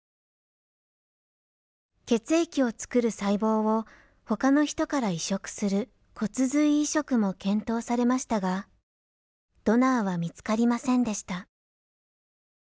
血液を作る細胞をほかの人から移植する骨髄移植も検討されましたがドナーは見つかりませんでした。